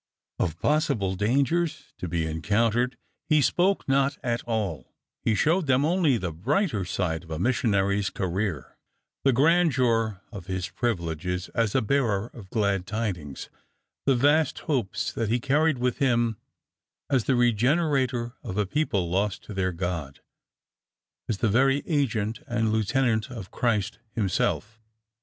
Of possible dangers to he enconntered he spoke not at all He showed them only the brighter side of a missionary's career; the grandeur of his privileges as a bearer of glad tidings, the vast hopes that he carried with him as the regenerator of a people lost to their God, as the very agent and lieutenant of Christ himself.